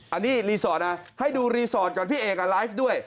อันนี้รีสอร์ทนะให้ดูรีสอร์ทก่อนพี่เอกไลฟ์ด้วย